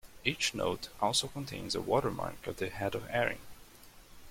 Each note also contains a watermark of the Head of Erin.